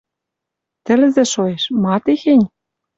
Тӹлзӹ шоэш... Ма техень?..